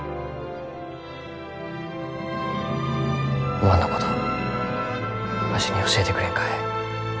おまんのことわしに教えてくれんかえ？